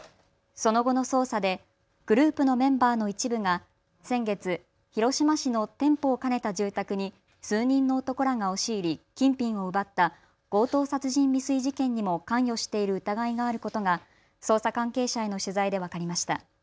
その後の捜査でグループのメンバーの一部が先月、広島市の店舗を兼ねた住宅に数人の男らが押し入り金品を奪った強盗殺人未遂事件にも関与している疑いがあることが捜査関係者への取材で分かりました。